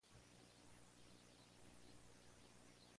Es el deporte con más logros del país.